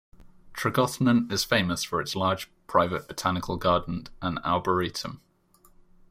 Tregothnan is famous for its large private botanical garden and arboretum.